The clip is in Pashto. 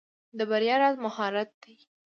د بریا راز مهارت دی.